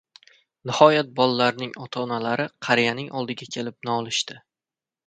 Nihoyat bolalarning ota-onalari qariyaning oldiga kelib, nolishdi: